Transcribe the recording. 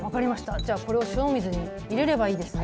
じゃあこれを塩水に入れればいいですね。